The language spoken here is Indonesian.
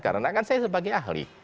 karena kan saya sebagai ahli